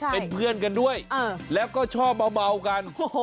เป็นเพื่อนกันด้วยแล้วก็ชอบเมากัน